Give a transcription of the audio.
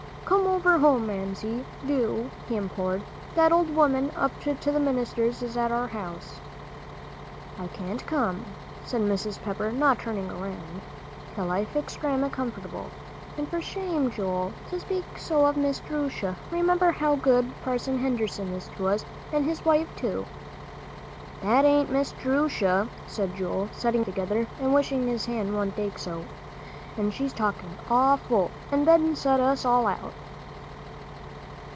"Come over home, Mamsie, do," he implored. "That old woman up to the minister's is at our house." "I can't come," said Mrs. Pepper, not turning around, "till I fix Grandma comfortable. And for shame, Joel, to speak so of Miss Jerusha! Remember how good Parson Henderson is to us; and his wife, too." "That ain't Miss Jerusha," said Joel, setting his teeth together, and wishing his hand wouldn't ache so; "and she's talking awful, and Ben's sent us all out."